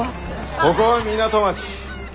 ここは港町。